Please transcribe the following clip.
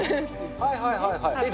はいはいはい、えっ？